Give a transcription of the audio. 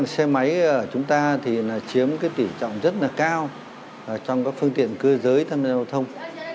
xe máy của chúng ta chiếm tỉ trọng rất cao trong các phương tiện cơ giới tham gia đo thông